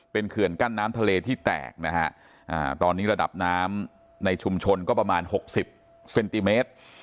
เป็นเขื่อนกั้นน้ำทะเลที่แตกนะฮะตอนนี้ระดับน้ำในชุมชนก็ประมาณ๖๐เซนติเมตร